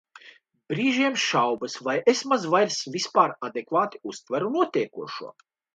Brīžiem šaubas, vai es maz vairs vispār adekvāti uztveru notiekošo?